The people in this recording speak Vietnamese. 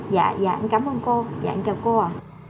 dạ dạ anh cảm ơn cô dạ anh chào cô ạ